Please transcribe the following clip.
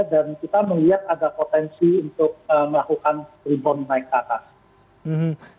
dan kita melihat ada potensi untuk melakukan rebound naik ke atas